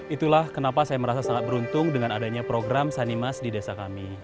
itulah kenapa saya merasa sangat beruntung dengan adanya program sanimas di desa kami